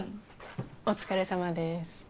お疲れさまです。